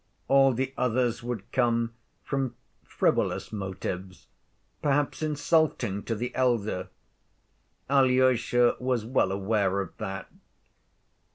All the others would come from frivolous motives, perhaps insulting to the elder. Alyosha was well aware of that.